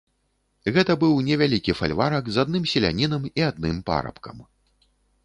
Гэта быў невялікі фальварак з адным селянінам і адным парабкам.